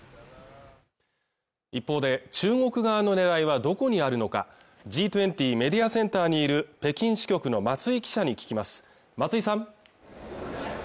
一方で中国側の狙いはどこにあるのかＧ２０メディアセンターにいる北京支局の松井記者に聞きます